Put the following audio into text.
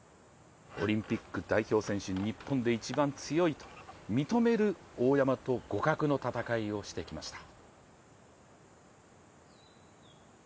オリンピック日本代表、日本で一番強いと認める大山と互角の戦いをしてきました。